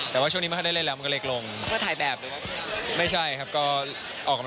บางทีเราไปวิ่งหรือว่าไป